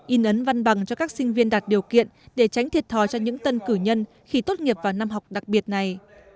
in ấn văn bằng cho các sinh viên đạt điều kiện để tránh thiệt thòi cho những tân cử nhân khi tốt nghiệp vào năm học đặc biệt này